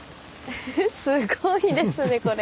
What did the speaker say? すごいですねこれ。